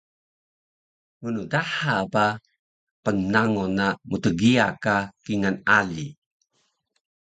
mndaha ba qnango na mtgiya ka kingal ali